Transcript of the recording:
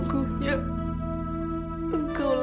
gue mel vr nih yuk